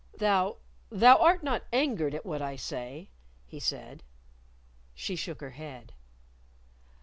"Thou thou art not angered at what I say?" he said. She shook her head.